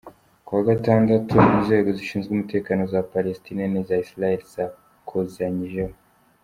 Ku wa gatandatu, inzego zishinzwe umutekano za Palestina n'iza Israheli zakozanyijeho.